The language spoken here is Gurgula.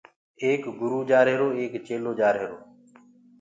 ايڪ گرُو جآرهيرو ايڪ چيلهو جآرهيرو۔